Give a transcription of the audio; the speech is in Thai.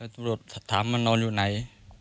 ตำรวจถามมันนอนอยู่ไหน